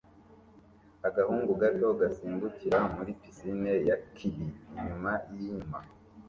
Agahungu gato gasimbukira muri pisine ya kiddie inyuma yinyuma